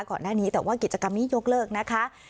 ก่อนหน้านี้แต่ว่ากิจกรรมนี้ยกเลิกนะคะ